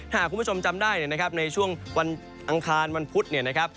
ถ้าคุณผู้ชมจำได้ในช่วงวันอังคารมันพุทธ